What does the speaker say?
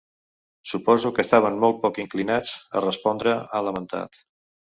Suposo que estaven molt poc inclinats a respondre, ha lamentat.